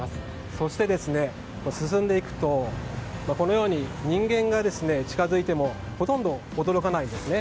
そして進んでいくとこのように人間が近づいてもほとんど驚かないんですね。